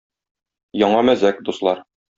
Яңа мәзәк, дуслар!